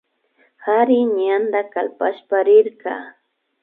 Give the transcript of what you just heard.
Kari ñanda kalpashpa rirka